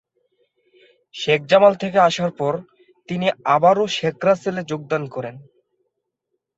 শেখ জামাল থেকে আসার পরে তিনি আবারো শেখ রাসেল যোগদান করেন।